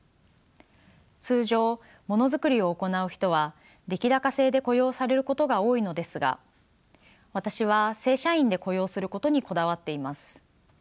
通常ものづくりを行う人は出来高制で雇用されることが多いのですが私は正社員で雇用することにこだわっています。